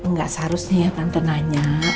gak seharusnya ya tante nanya